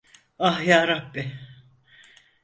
Ah yarabbi…